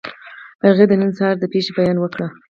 هغې د نن سهار د پېښې بیان وکړ